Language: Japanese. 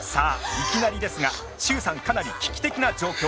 いきなりですが徐さんかなり危機的な状況！